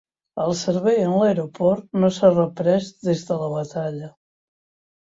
El servei en l'aeroport no s'ha reprès des de la batalla.